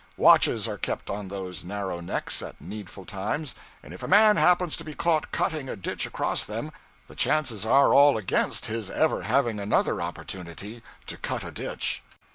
Watches are kept on those narrow necks, at needful times, and if a man happens to be caught cutting a ditch across them, the chances are all against his ever having another opportunity to cut a ditch.